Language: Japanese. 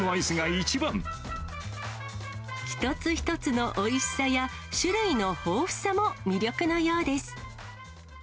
一つ一つのおいしさや、種類の豊富さも魅力のようです。